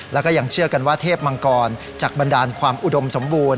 แล้วก็ยังเชื่อกันว่าเทพมังกรจากบันดาลความอุดมสมบูรณ